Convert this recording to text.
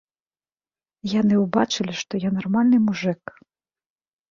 Яны ўбачылі, што я нармальны мужык.